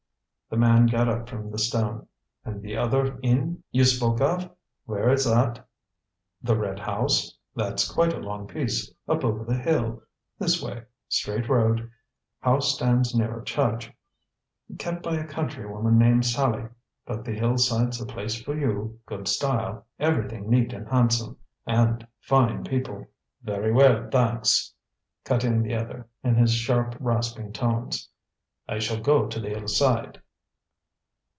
The man got up from the stone. "And the other inn you spoke of where is that?" "The Red House? That's quite a long piece up over the hill this way. Straight road; house stands near a church; kept by a country woman named Sallie. But the Hillside's the place for you; good style, everything neat and handsome. And fine people!" "Very well, thanks," cut in the other, in his sharp, rasping tones. "I shall go to the Hillside."